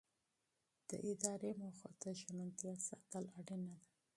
د ادارې اهدافو ته ژمنتیا ساتل اړینه ده.